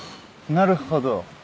なるほど。